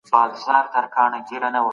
نجونې اوس د زده کړې غوښتنه کوي.